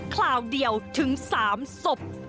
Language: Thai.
คราวเดียวถึง๓ศพ